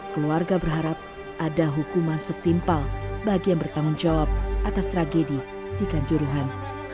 keluarga berharap ada hukuman setimpal bagi yang bertanggung jawab atas tragedi di kanjuruhan